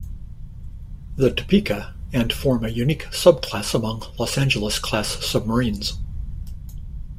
The "Topeka" and form a unique sub-class among "Los Angeles" class submarines.